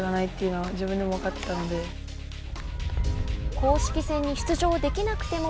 公式戦に出場できなくても